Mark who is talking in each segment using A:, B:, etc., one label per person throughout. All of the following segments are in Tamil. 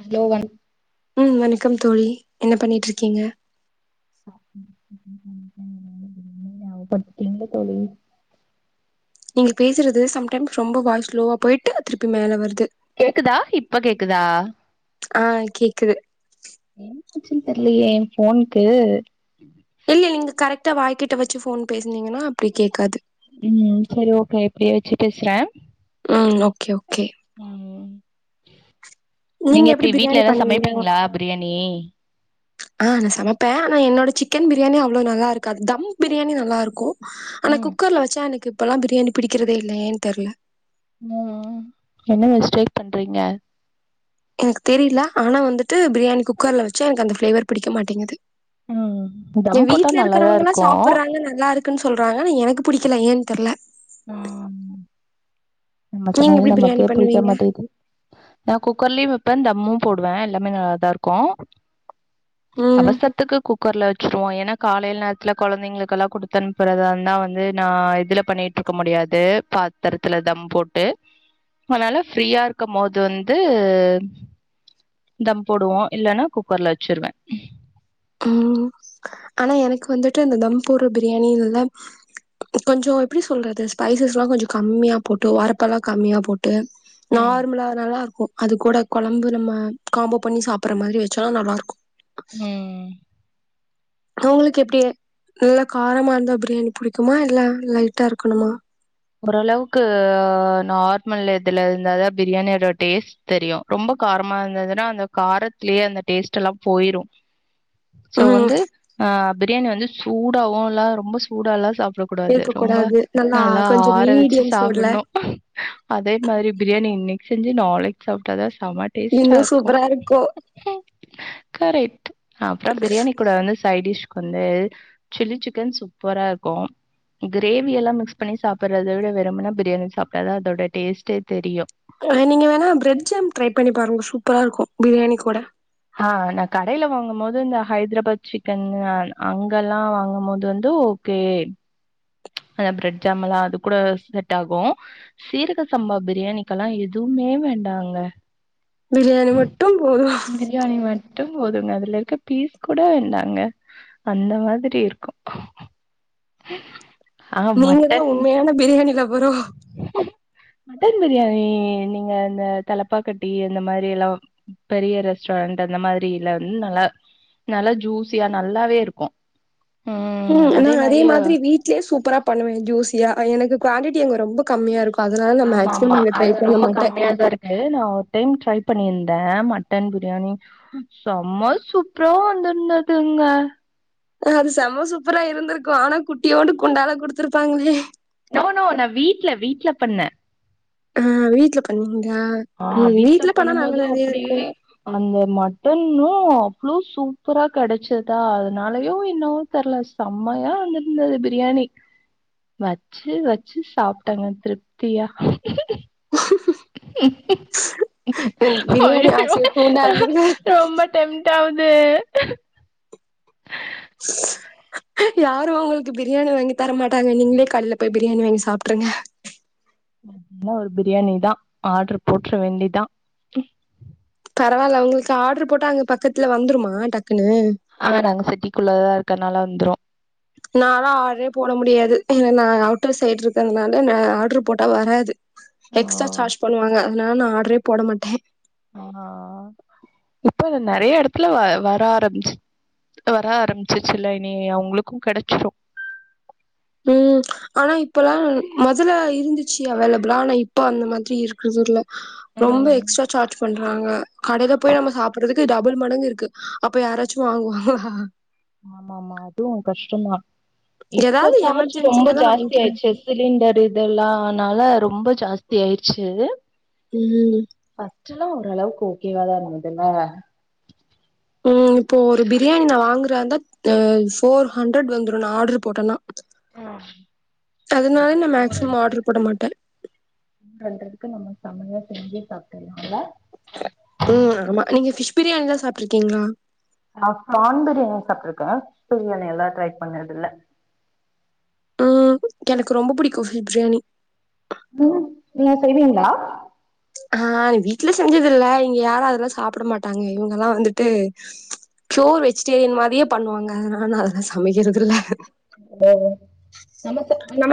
A: அலோ ஒன்
B: ம் வணக்கம் தோழி என்ன பண்ணிட்டு இருக்கீங்க
A: [inaudible] இல்ல தோழி
B: நீங்க பேசுறது சம்டைம்ஸ் ரொம்ப வாய்ஸ் ஸ்லோவா போயிட்டு திருப்பி மேல வருது
A: கேக்குதா இப்ப கேக்குதா
B: ஆ கேக்குது
A: என்ன ஆச்சுன் தெர்லையே எ ஃபோனுக்கு
B: இல்ல நீங்க கரெக்டா வாய்கிட் கிட்ட வெச்சு ஃபோன் பேசுனீங்கன்னா அப்டி கேக்காது
A: ம் சேரி ஓக்கே இப்டியே வெச்சு பேசுற
B: ம் ஓக்கே ஓ
A: ம் [unintelligible]
B: நீங்க எப்டி
A: வீட்ல
B: பிரியாணி
A: எல்லா
B: பண்ணுவீங்க
A: சமைப்பீங்களா பிரியாணி
B: அ நா சமப்ப ஆனா என்னோட சிக் சிக்கன் பிரியாணி அவ்வளோ நல்லா இருக்காது தம் பிரியாணி நல்லா இருக்கு ஆனா
A: ம்
B: குக்கர்ல வெச்சா எனக்கு இப்பெல்லா பிரியாணி பிடிகிறதே இல்ல ஏன் தெர்ல
A: ம் ம் என்ன மிஸ்டேக் பண்றீங்க
B: எனக்கு தெரில ஆனா வந்துட்டு பிரியாணி குக்கர்ல வெச்சா எனக்கு அந்த பிளேவர் புடிக்க மாட்டேங்குது
A: ம்
B: எ
A: தம் போட்டா
B: வீட்ல
A: நல்லாதா
B: இருக்கறவங்கலா
A: இருக்கு
B: சாப்புறாங்கல்ல நல்லா இருக்குன் சொல்றாங்க ஆனா எனக்கு புடி கல ஏன் தெர்ல
A: ம் நம்ம
B: நீங்க
A: சமையல்
B: எப்டி பிரியாணி
A: நமக்கே புடிக்க
B: பண்ணுவீங்க
A: மாட்டேது நா குக்கர்லயு வெப்ப தம்மு போடுவ எல்லாமே நல்லாதா இருக்கு
B: ம்
A: அவசரத்துக்கு குக் குக்கர்ல வெச்சுருவோ ஏனா காலைல நேரத்துல கொழந்தைங்களுக்கெல்லா குடுத்து அனுப்புறதா இருந்தா வந்து நா இதுல பண்ணிட்டுருக்க முடியாது பாத்தரத்துல தம் போட் ட்டு அதனால ஃப்ரீயா இருக்கும் போது வந்து தம் போடுவோ இல்லன்னா குக்கர்ல வெச்சுருவ
B: ம் ஆனா எனக்கு வந்துட்டு இந்த தம் போர்ற பிரியாணி எல்லாம் கொஞ்சோ எப்டி சொல்றது ஸ்பைசஸ்லா கொஞ்சோ கம்மியா போட்டு ஒரப்பெல்லா கம்மியா போ ட்டு
A: ம்.
B: நார்மலா நல்லா இருக் ஓ அது கூட கொழம்பு நம்ம காம்போ பண்ணி சாப்புற மாதிரி வெச்சாலு நல்லா இருக்கு
A: ம்
B: உங்களுக்கு எப்டி நல்லா காரமா இருந்தா பிரியாணி புடிக்குமா இல்ல லைட்டா இருக்கணுமா
A: ஓரளவுக்கு நார்மல் இதுல இருந்தாதா பிரியாணியோட டேஸ்ட் தெரியு ரொம்போ காரமா இருந்துதுன்னா அந்த காரத்திலயே அந்த டேஸ்ட்டெல்லா போயிரு சோ
B: ம்
A: வந்து ஆ பிரியாணி வந்து சூடவுலா ரொம்ப சூடால்லா சாப்ப
B: இருக்க கூடாது அது நல்லா கொஞ்சோ
A: ஆற வச்சு
B: மீடியம் சூடுல
A: சாப்டனு அதே மாரி பிரி நீ இன்னிக்கு செஞ்சு நாளைக் சாப்டாத செம டேஸ்டா
B: இன்னு
A: இருக்கு
B: சூப்பரா
A: கரெக்ட் சாப்டா பிரியாணி கூட வந்து சைடிஷ் வந்து சில்லி சிக்கன் சூப்பரா இருக்கு கிரேவி எல்லா மிக்ஸ் பண்ணி சாப்பிடறத வெருமன பிரியாணி சாப்ட்டாதா அதோட டேஸ்டே தெரியு
B: ஆனா நீங்க வேணா பிரெட் ஜாம் ட்ரை பண்ணி பாருங்க சூப்பரா இருக்கு பிரியாணி கூட
A: ஆ நா கடையில வாங்கு போது இந்த ஹைதராபாத் சிக்கன் அங்கல்லா வாங்கும் போது வந்து ஓகே ஹ பிரெட் ஜாம் அது கூட செட் ஆகு சீரக சம்பா பிரியாணிக்கெலா எதுவுமே வேண்டாங்க
B: பிரியாணி மட்டும் போதும்
A: ட்டும் போதுங்க அதுல இருக்க பீஸ் கூட வேண்டாங்க அந்த மாதிரி இருக்கும் ஹும் [unintelligible]
B: நீங்க தா உண்மையான பிரியாணி லவ் வரோ
A: மட்டன் பிரியாணி நீங்க இந்த தலப்பாக்கட்டி அந்த மாரி எல்லா பெரிய ரெஸ்டாரண்ட் அந்த மாதிரில வந் நல்லா நல்லா ஜூஸியா நல்லாவே இருக்கு ம்
B: உம் நா அதே
A: மாரி
B: மாதிரி வீட்லயே சூப்பரா பண்ணுவே ஜூசியா ஆ எனக்கு குவான்டிட்டி அங்க ரொம்ப கம்மியா இருக்கு அதனால நா
A: ஆமா
B: மேக்சிமம்
A: ஆமா
B: அங்க ட்ரை
A: அது
B: பண்ண
A: ரொம்ப
B: மாட்டே
A: கம்மியா தா இருக்கு நா ஒரு டைம் ட்ரை பண்ணியிருந் ந்த மட்டன் பிரியாணி செம்ம சூப்பரா‌ வந்திருந்துதுங்க
B: அது செம்ம சூப்பரா இருந்திருக்கு ஆனா குட்டியோண்டு குண்டால குடுத்துருப்பாங்களே
A: நோ நோ நா வீட்ல வீட்ல பண்ணே
B: ஆ வீட்ல பண்ணி
A: ஆ வீட்ல பண்ணும் போது
B: இருக்கு
A: அப்டியே அந்த மட்டன்னு அவ்ளோ சூப்பரா கிடைச்சதா அதனாலயோ என்னவோ தெர்ல செம்மையா வந்திருந்தது பிரியாணி வச்சு வச்சு சாப்ட்டேங்க திருப்தியா
B: எனக்கு பிரியாணி
A: அய்யய்யோ
B: ஆசைய தூண்டாதீங்க
A: ரொம்ப டெம்டாவுது [unintelligible]
B: ஸ்ஸ் யாரு ஒங்களுக்கு பிரியாணி வாங்கி தர மாட்டாங்க நீங்ளே கடலே போய் பிரியாணி வாங்கி சாப்ருங்க
A: இன்னு ஒரு பிரியாணி தா ஆட்ரு போட்ற வேண்டியதா
B: பரவால்ல ஒங்களுக்கு ஆர்டரு போட்டா அங்க பக்கத்ல வந்துருமா டக்
A: ஆ நாங்க சிட்டிக்குள்ளதா இருக்கனால ந்துரு
B: நாலா ஆர்ரே போட முடியாது ஏ நா அவுட்டர் சைடு இருக்கிறதுனால நா ஆர்டரு போட்டா வராது
A: ஆ
B: எக்ஸ்ட்டா சார்ஜ் பண்ணுவாங்க இன்னா நா ஆடரே போட மாட்டே
A: ஆ இப்ப நெறைய இடத்துல வ வர ஆரம்பிச்சி வர ஆரம்பிச்சுச்சில்ல இனி அவுங்களுக்கு கெடச்சிடு
B: ம் ஆனா இப்பல்லா முதல்ல இருந்துச்சி அவைலபிளா ஆனா இப்போ அந்த மாரி இருக்குதுல்ல ரொம்ப
A: ம்
B: எக்ஸ்ட்ரா சார்ஜ் பண்றாங்க கடைல போய் நம்ம சாப்புறதுக்கு டபுள் மடங்கு இருக்கு அப்ப யாராச்சு வாங்குவாங்களா
A: ஆமா ஆமா அதுவு கஷ்டம்மா இப்ப
B: ஏதாவது
A: சார்ஜ் ரொம்ப
B: எமர்ஜென்சியா தா
A: ஜாஸ்தி
B: வாங்கிக்குவே
A: ஆயிச்சி சிலிண்டர் இதெல்லானால ரொம்ப ஜாஸ்தி ஆயிர்ச்சி
B: ம்
A: சுலா ஓரளவுக்கு ஓகேவாதாதுல்ல
B: ம் இப்போ ஒரு பிரியாணி நா வாங்குறதா அ போர் ஹண்ட்ரட் வந்துரு நா ஆர்டரு போட்டனா
A: [unintelligible]
B: நான் மேக்சிமம் ஆர்டர் போட மாட்டேன்.
A: செமையா செஞ்சி சாப்படலால்லா
B: ம் ஆமா நீங்க பிஷ் பிரியாணில்லா சாப்ட்டுருக்கீங்களா
A: நா பிரான் பிரியாணின்னு சாப்ட்டுருக்கே பிரியாணி எல்லா ட்ரை பண்ணது இல்ல
B: ம் எனக்கு ரொம்ப புடிக்கும் பிஷ் பிரியாணி
A: ம் என்னா செய்வீங்களா
B: ஆ நீ வீட்டுல செஞ்சது இல்ல இங்க யாரு அதெல்லா சாப்பிட மாட்டாங்க இவங்கல்லா வந்துட்டு பியோர் வெஜிடேரியன் மாரியே பண்ணுவாங்க நா அதெல்லா சமைக்கிறதுல்ல
A: ஓ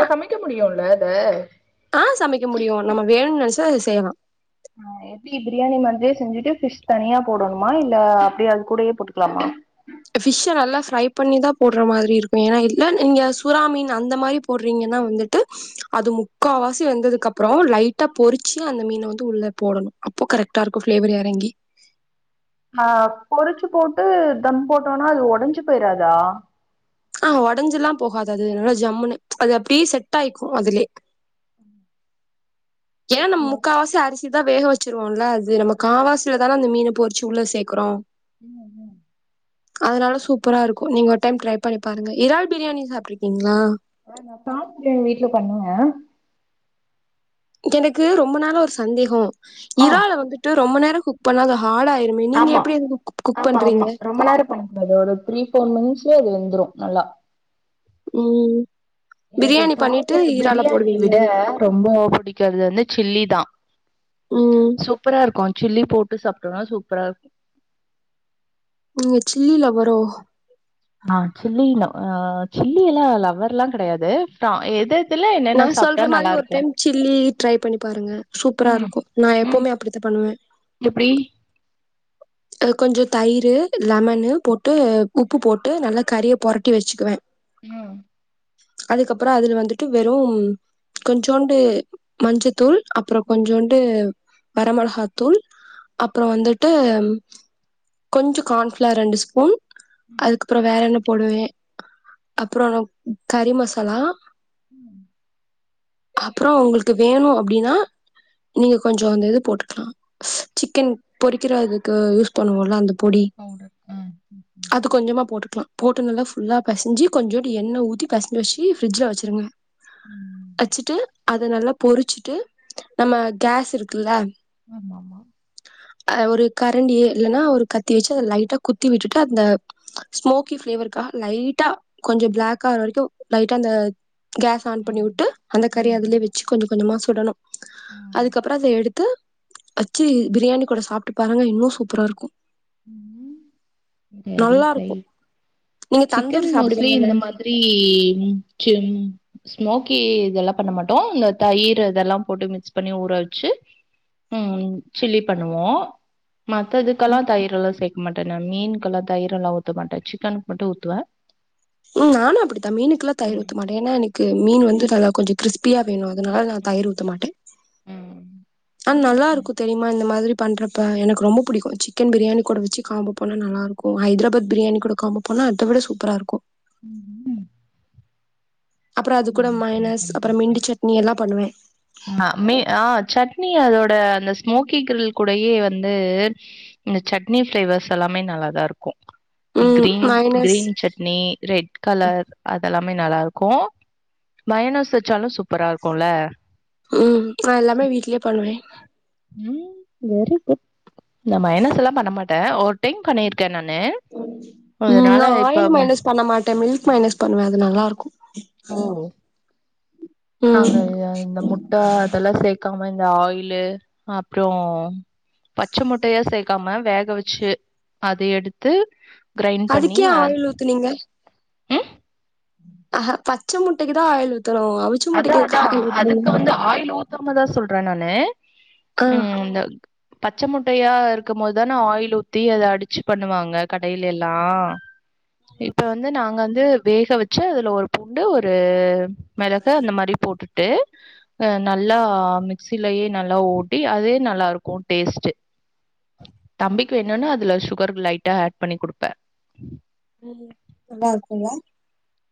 B: அ
A: ஆ
B: ஆ சமைக்க முடியு நம்ம வேணு நெனைச்சா அது செய்யலா
A: ஆ எப்பிடி பிரியாணி மாதியே செஞ்சிட்டு பிஷ் தனியா போடணுமா இல்ல அப்பிடியே அது கூடயே போட்டுக்கலாமா
B: பபிஷ்ஷ நல்லா ஃப்ரை பண்ணிதா போடுற மாதிரி இருக்கு ஏன்னா இல்ல நீங்க சுற மீன் அந்த மாரி போடுறீங்கன்னா வந்துட்டு அது முக்காவாசி வெந்ததுக்கு அப்புறோ லைட்டா பொறிச்சி அந்த மீன வந்து உள்ள போடணு அப்ப கரெக்ட்டா இருக்கு ஃப்ளேவர் இறங்கி
A: ஆ பொறிச்சி போட்டு தம் போட்டோனா அது உடஞ்சு போயிராதா
B: ஆ உடஞ்சில்லா போகாது அது என்னோட ஜம்முனு அது அப்பிடி செட் ஆயக்கு அதுலியே ஏ நம்
A: மோஸ்ட்லி
B: முக்காவாசி ஆரிசிதா வேக வச் ச்சிருவோல்ல இது நம்ம காவாசியிலதான அந்த மீன பொறிச்சி உள்ள சேக்கறோ
A: ம் ம்
B: அதனால சூப்பரா இருக்கு நீங்க ஒரு டைம் ட்ரை பண்ணி பாருங்க இரால் பிரியாணி சாப்ட்ருக்கீங்களா
A: ஆ நா தாம் பிரியாணி வீட்டு்ல பண்ணுவ
B: எனக்கு ரொம்ப நாள ஒரு சந்தேகம்
A: ஆ
B: இரால் வந்துட்டு டோம்மா நேரோ குக் பண்ணா அது ஹா
A: ஆமா ஆமா ஆமா
B: பண்றீங்க
A: ரொம்ப நேரம் பண்ணக்கூடாது ஒரு த்ரீ போர் மினிட்ஸ் அது வெந்துரும் நல்லா
B: ம்
A: எனக்கு
B: பிரியாணி பண்ணிட்டு
A: பிரான்னு
B: இறால
A: பிரியாணி விட
B: போடுவீங்களா
A: ரொம்ப புடிக்கிறது வந்து சில்லி தான்
B: ம்
A: சூப்பரா இருக்கும் அ சில்லி போட்டு சாப்பிட்டோம்னா சூப்பரா இருக்கும்
B: நீங்க சில்லி லவ்வரோ
A: ஆ சில்லி அ சில்லி எல்லாம் லவ்வர்லாம் கெடையாது எ
B: நான் சொல்ற மாதிரி ஒரு டைம் சில்லி ட்ரை பண்ணி பாருங்க சூப்பரா
A: ம்
B: இருக்கும் நான்
A: ம்
B: எப்பவுமே அப்படித்தான் பண்ணுவேன்
A: எப்டி
B: கொஞ்சம் தயிர் லெமன்னு போட்டு உப்பு போட்டு நல்லா கறியை பொரட்டி வச்சுக்குவேன்
A: ம்
B: அதுக்கப்புறம் அதுல வந்துட் வெறும் கொஞ்சோண்டு மஞ்சத்தூள் அப்புறம்
A: ம்
B: கொஞ்சோண்டு வர மிளகாத்தூள் அப்புறம் வந்துட்டு கொஞ்சம் கார்ன்ஃப்ளர் ரெண்டு ஸ்பூன்
A: ம்
B: அதுக்கப்புறம் வேற என்ன போடுவேன் அப்புறம் கறி மசாலா
A: ம்
B: அப்புறம் உங்களுக்கு வேணும் அப்படின்னா நீங்க கொஞ்சம் அந்த இது போட்டுக்கலாம் சிக்கன் பொறிக்கிற இதுக்கு யூஸ் பண்ணுவோம்ல அந்த பொடி
A: பவுடர். ஆ. ம்.
B: அது கொஞ்சமா போட்டுக்கலாம் போட்டு நல்லா ஃபுல்லா பெசஞ்சு கொஞ்சோண்டு எண்ணெய் ஊத்தி பெசஞ்து வச்சு ஃப்ரிட்ஜ்ல வச்சிருங்க
A: ம்.
B: வச்சிட்டு அக் அது நல்லா பொறிச்சிட்டு நம்ம கேஸ் இருக்குல
A: ஆமா மா
B: அ ஒரு கரண்டிய இல்லன்னா ஒரு கத்தி வச்சு அத லைட்டா குத்தி விட்டுட்டு அந்த ஸ்மோக்கி பிளேவருக்காக லைட்டா கொஞ்சம் பிளாக் ஆற வரைக்கும் லைட்டா அந்த கேஸ் ஆன் பண்ணி
A: ம்.
B: வுட்டு அந்த கறி அதலயே
A: ம்.
B: வச்சு கொஞ்சம் கொஞ்சமா சுடணும்
A: ம்.
B: அதுக்கப்பறம் அத எடுத்து வச்சு பிரியாணி கூட சாப்ட்டு பாருங்க இன்னும் சூப்பரா இருக்கும்
A: ம் ஐ வில்
B: நல்லா
A: ட்ரை
B: இருக்கு நீங்க
A: சிக்கன்
B: தந்தூரி
A: மோஸ்லி இந்த
B: சாப்டுவீங்கல்ல
A: மாதிரி மிச்சும் ஸ்மோக்கி இதெல்லாம் பண்ண மாட்டோம் இந்த தயிரி அதெல்லாம் போட்டு மிக்ஸ் பண்ணி ஊற வச்சு ம் சில்லி பண்ணுவோம் மத்ததுக்கெல்லாம் தயிரெல்லாம் சேர்க்க மாட்டேன் நான் மீனுகெல்லாம் தயிரெல்லாம் ஊத்த மாட்டேன் சிக்கனுக்கு மட்டும் ஊத்துவேன்
B: ம் நானும் அப்படித்தான் மீனுக்கெல்லாம் தயிர்
A: ம்.
B: ஊத்த மாட்டேன் ஏன்னா எனக்கு மீன் வந்து நல்லா கொஞ்சொ கிரிஸ்பியா வேணு அதுனால நா தயிர்
A: ம்.
B: ஊத்த மாட்டே
A: ம்.
B: ஆன்
A: ம்.
B: நல்லாருக்கு தெரியுமா இந்த மாதிரி பண்ணுறப்ப எனக்கு ரொம்ப புடிக்கு சிக்கன் பிரியாணி கூட வச்சு காம்போ போனா நல்லாருக்கு ஹைதரபாத் பிரியாணி கூட காம்போ போனா அத விட சூப்பரா இருக்கு
A: ம் ம்
B: அப்ற அது கூட மையனஸ்
A: பண்ணி
B: அப்ற
A: பாக்குறேன்.
B: மின்ட்டு சட்னி எல்லா பண்ணுவே
A: னி அதோட அந்த ஸ்மோக்கி கிரில் கூடயே வந்து இந்த சட்னி ஃப்ளேவர்ஸ் எல்லாமே நல்லா தா இருக்கு
B: ம்
A: green
B: mayonnaise
A: green chutney red colour அதல்லா மே நல்லாருக்கு மையனஸ் வச்சாலு சூப்பரா இருக்குல்ல
B: ம் நா எல்லாமே வீட்லயே பண்ணுவே
A: ம் வெரி குட் நா மையனஸ் எல்லா பண்ண மாட்டே ஒர் டைம் பண்ணிருக்கே ந
B: ம் நா ஆயில்
A: ம
B: மையனஸ் பண்ண மாட்டே மில்க் மையனஸ் பண்ணுவே அது நல்லாரு
A: ஓ
B: ம்
A: நாங்க அ இந்த முட்ட அதெல்லா சேக்கா ம் இந்த ஆயிலு அப்றோ பச்ச முட்டையா சேக்காம வேக வச்சு அத எடுத்து கிரைண்ட் பண்ணி
B: அதுக்கே
A: அ
B: ஆயில் ஊத்துனீங்க?
A: ம்
B: ஆஹா பச்ச முட்டைக்கு தா ஆயில் ஊத் ஊத்தணு அவிச்ச
A: அதா அதா அதுக்கு வந்து ஆயில் ஊத்தாம தா சொல்றே நானு
B: ஆ
A: ம் இந்த பச்சை முட்டையா இருக்கும் மோதுதான ஆயில் ஊத்தி அத அடிச்சு பண்ணுவாங்க கடைலெல்லா இப்ப வந்து நாங்கந்து வேக வச்சு அதுல ஒரு பூண்டு ஒரு மெள கு அந்த மாரி போட்டுட்டு அ நல்லா மிக்ஸிலயே நல்லா ஓட்டி அதே நல்லாருக்கு டேஸ்ட்டு தம்பிக்கு வேணுனா அதுல சுகர் லைட்டா ஆட் பண்ணி குடுப்பே
B: ம் ம் நல்லாருக்குமா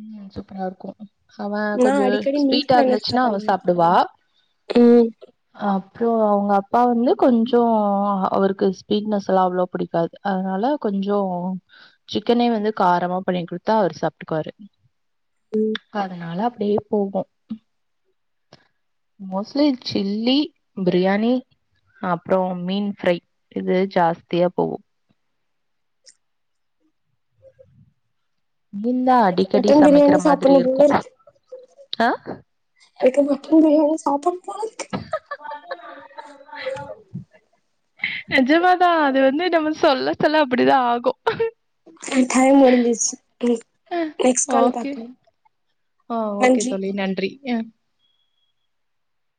A: ம் சூப்பராருக்கு அவ
B: நா
A: கொஞ்ச
B: அடிக்கடி மில்க்
A: ஸ்வீட்டா
B: மைனஸ் தா
A: இருந்துச்சுனா அவ
B: பண்ணுவே
A: சாப்டுவா
B: ம்
A: அ ப்றொ அவுங்க அப்பா வந்து கொஞ்சோ அவருக்கு ஸ்வீட்னஸ்லா அவ்ளோ புடிக்காது அதுனால கொஞ்சோ சிக்கனே வந்து காரமா பண்ணி குடுத்தா அவர் சாப்ட்டுக்வாரு அதுனால இப்டியே போகு மோஸ்ட்லி சில்லி பிரியாணி அப்றொ மீன் ஃப்ரை இது ஜாஸ்தியா போவு மீன் தான்
B: எனக்கு
A: அடிக்கடி
B: மட்டன்
A: சமைக்கிற
B: பிரியாணி
A: மாதிரி
B: சாப்புன்னு போல
A: இருக்கும்.
B: இருக்கு
A: ஆ
B: எனக்கு மட்டன் பிரியாணி சாப்புன்
A: நெஜமாதா அது வந்து நம்ம சொல்ல சொல்ல அப்பிடிதா ஆகு
B: டயம் முடிஞ்ர்சி ம் நெக்ஸ்ட் கால்ல
A: ஓகே.
B: பாக்கலாம் அஜ்ஜி
A: யா